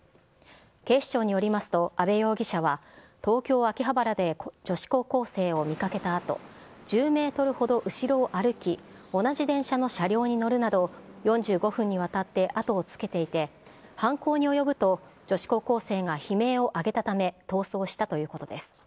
警視庁によりますと、阿部容疑者は、東京・秋葉原で女子高校生を見かけたあと、１０メートルほど後ろを歩き、同じ電車の車両に乗るなど、４５分にわたって後をつけていて、犯行に及ぶと、女子高校生が悲鳴を上げたため、逃走したということです。